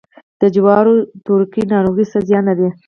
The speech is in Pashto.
د جوارو تورکي ناروغي څه زیان لري؟